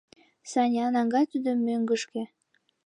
— Саня, наҥгай тудым мӧҥгышкӧ!